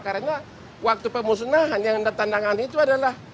karena waktu pemusnahan yang ditandakan itu adalah